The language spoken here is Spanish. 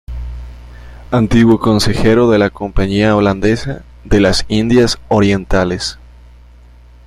Antiguo consejero de la Compañía holandesa de las Indias Orientales.